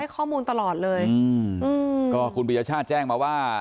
ให้ข้อมูลตลอดเลยอืมอืมก็คุณปริญญาชาติแจ้งมาว่า